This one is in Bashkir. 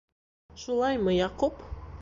Шулаймы, Яҡуп?